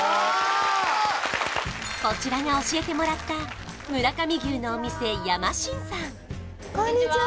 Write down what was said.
こちらが教えてもらった村上牛のお店やま信さんこんにちは